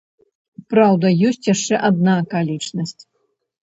Праўда, ёсць яшчэ адна акалічнасць.